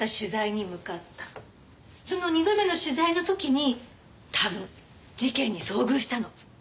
その二度目の取材の時に多分事件に遭遇したの。